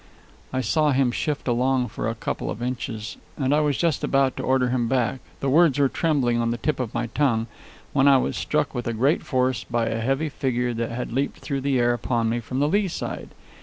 I saw him shift along for a couple of inches, and I was just about to order him back the words were trembling on the tip of my tongue when I was struck with great force by a heavy figure that had leaped through the air upon me from the lee side.